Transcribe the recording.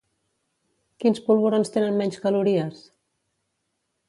Quins polvorons tenen menys calories?